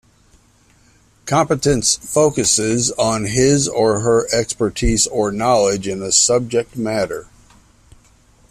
Competence focuses on his or her expertise or knowledge in a subject matter.